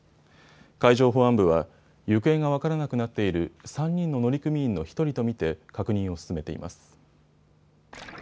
海上保安部は行方が分からなくなっている３人の乗組員の１人と見て確認を進めています。